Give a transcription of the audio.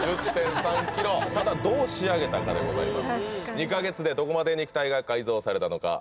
ただどう仕上げたかでございます２か月でどこまで肉体が改造されたのか？